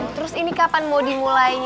terus ini kapan mau dimulainya